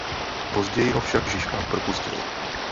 Později ho však Žižka propustil.